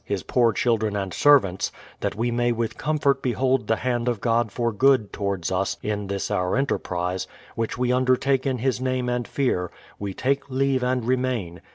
His poor children and servants, that we may with comfort behold the hand of our God for good towards us in this our enterprise, which we undertake in His name and fear; we take leave and remain.